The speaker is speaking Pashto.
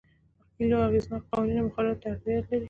کلیو اغېزناکو قوانینو او مقرراتو ته اړتیا لرله